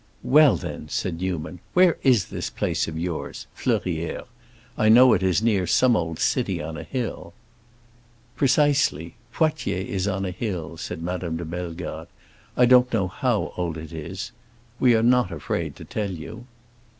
"Well, then," said Newman, "where is this place of yours—Fleurières? I know it is near some old city on a hill." "Precisely. Poitiers is on a hill," said Madame de Bellegarde. "I don't know how old it is. We are not afraid to tell you."